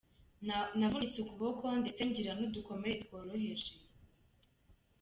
Navunitse ukuboko ndetse ngira n’udukomere tworoheje.